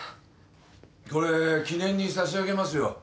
それ記念に差し上げますよ。